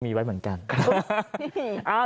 มีไว้เหมือนกัน